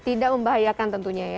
tidak membahayakan tentunya ya